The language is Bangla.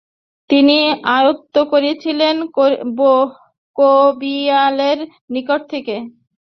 তিনি আয়ত্ত করেছিলেন কবিয়ালদের নিকট থেকে।